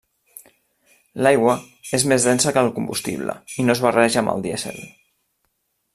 L’aigua és més densa que el combustible i no es barreja amb el dièsel.